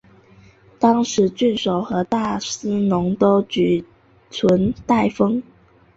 当时郡守和大司农都举荐戴封。